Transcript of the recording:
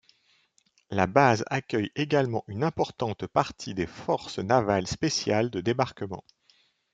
La base accueille également une importante partie des forces navales spéciales de débarquement.